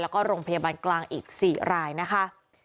แล้วก็โรงพยาบาลกลางอีก๔รายนะคะ